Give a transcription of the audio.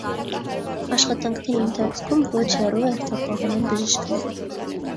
Աշխատանքների ընթացքում ոչ հեռու հերթապահում են բժիշկները։